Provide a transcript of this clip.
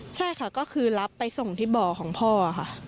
ใช่ค่ะก็คือรับไปส่งที่บ่อของพ่อค่ะ